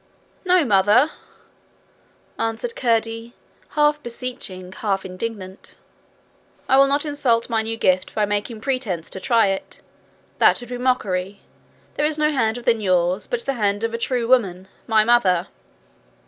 'No, Mother,' answered Curdie, half beseeching, half indignant, 'I will not insult my new gift by making pretence to try it. That would be mockery. There is no hand within yours but the hand of a true woman, my mother.'